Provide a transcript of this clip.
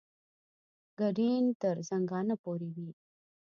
ګډین تر زنګانه پورې وي.